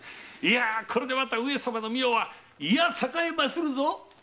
これでまた上様の御代は栄えまするぞ！